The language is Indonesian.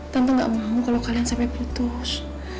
tante nggak mau kalau kalian sampai putus